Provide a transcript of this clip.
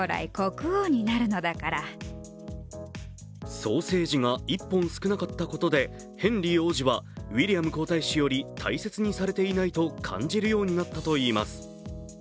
ソーセージが１本少なかったことでヘンリー王子はウィリアム皇太子より大切にされていないと感じるようになったといいます。